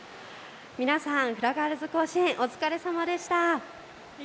皆さん、フラガールズ甲子園お疲れさまでした。